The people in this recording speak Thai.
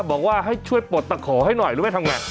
บอกว่าให้ช่วยปลดตะขอให้หน่อยหรือไม่ทำไง